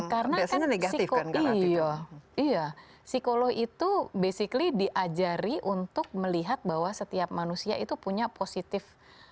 karena kan psikolog itu basically diajari untuk melihat bahwa setiap manusia itu punya positif